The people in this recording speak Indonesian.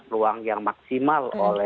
peluang yang maksimal